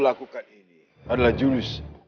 kau akan menantangku